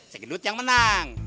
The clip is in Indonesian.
si gendut yang menang